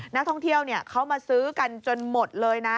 นักท่องเที่ยวเขามาซื้อกันจนหมดเลยนะ